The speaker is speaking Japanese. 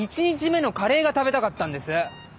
１日目のカレーが食べたかったんです！